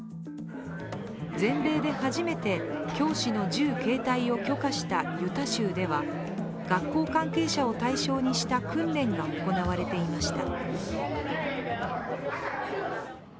全米で初めて教師の銃携帯を許可したユタ州では学校関係者を対象にした訓練が行われていました。